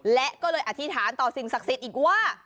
และก็เลยอธิษฐานต่อสิ่งศักดิ์สิทธิ์อีกว่า